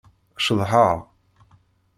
Ceḍḥeɣ.